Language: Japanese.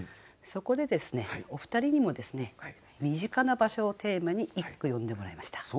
そこでお二人にも身近な場所をテーマに一句詠んでもらいました。